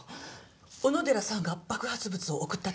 小野寺さんが爆発物を送ったと？